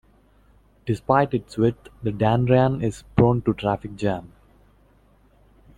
Despite its width, the Dan Ryan is prone to traffic jams.